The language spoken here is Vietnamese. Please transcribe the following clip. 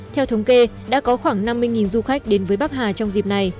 theo thống kê đã có khoảng năm mươi du khách đến với bắc hà trong dịp này